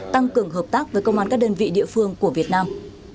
tăng cường hợp tác với công an các đơn vị địa phương của việt nam